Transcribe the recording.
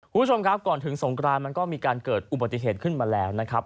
คุณผู้ชมครับก่อนถึงสงกรานมันก็มีการเกิดอุบัติเหตุขึ้นมาแล้วนะครับ